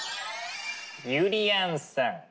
ゆりやんさん。